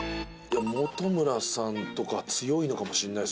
本村さんとかは強いのかもしれないです。